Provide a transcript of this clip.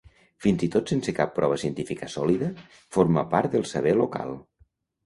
Fins i tot sense cap prova científica sòlida, forma part del saber local.